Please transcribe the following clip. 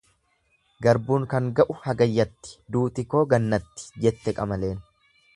Garbuun kan ga'u Hagayyatti duuti koo gannatti, jette qamaleen.